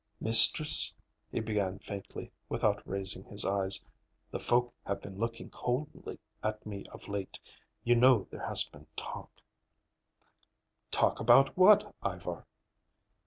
"Mistress," he began faintly, without raising his eyes, "the folk have been looking coldly at me of late. You know there has been talk." "Talk about what, Ivar?"